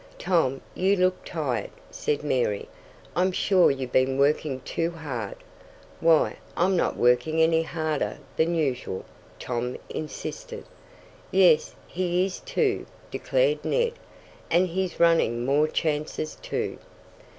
"Tom, you look tired," said Mary. "I'm sure you've been working too hard!" "Why, I'm not working any harder than usual," Tom insisted. "Yes, he is, too!" declared Ned, "and he's running more chances, too."